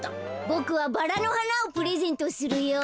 ボクはバラのはなをプレゼントするよ。